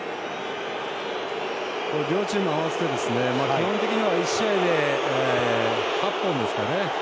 両チーム合わせて基本的には１試合で８本ですからね。